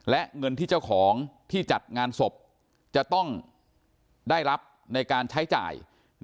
และเงินที่เจ้าของที่จัดงานศพจะต้องได้รับในการใช้จ่าย